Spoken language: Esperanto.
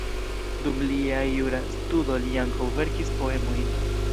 Dum lia jura studo li ankaŭ verkis poemojn.